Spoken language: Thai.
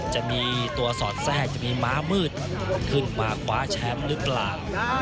จะมีตัวสอดแทรกจะมีม้ามืดขึ้นมาคว้าแชมป์หรือเปล่า